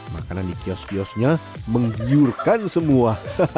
makanan di kios kiosnya menggiurkan semua